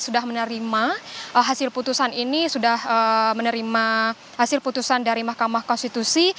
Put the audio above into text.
sudah menerima hasil putusan ini sudah menerima hasil putusan dari mahkamah konstitusi